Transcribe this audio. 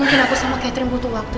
mungkin aku sama catering butuh waktu